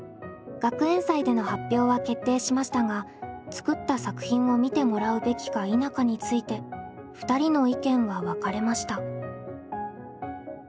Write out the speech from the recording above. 学園祭での発表は決定しましたが作った作品を見てもらうべきか否かについて２人の意見は分かれました。